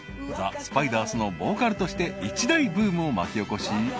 ［ザ・スパイダースのボーカルとして一大ブームを巻き起こし］